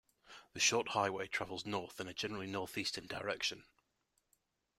The short highway travels north in a generally northeastern direction.